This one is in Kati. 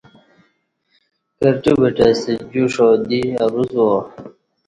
کرٹہ بٹہ ستہ جوش آودی اروس وا